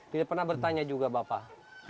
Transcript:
tidak pernah bertanya juga bapak